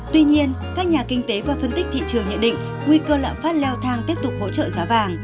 tuy nhiên các nhà kinh tế và phân tích thị trường nhận định nguy cơ lạm phát leo thang tiếp tục hỗ trợ giá vàng